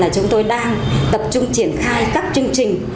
chúng tôi đang tập trung triển khai các chương trình